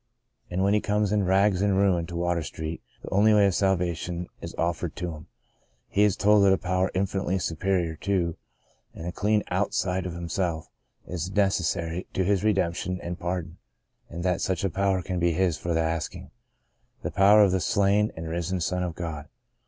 And when he comes in rags and ruin to Water Street, the only way of salvation is offered to him. He is told that a power infi nitely superior to, and clean outside of him self, is necessary to his redemption and par don, and that such a power can be his for the asking — the power of the slain and risen Son of God.